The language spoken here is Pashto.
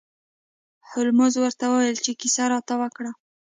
هولمز ورته وویل چې کیسه راته وکړه.